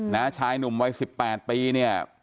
น้าชายหนุ่มวัยสิบแปดปี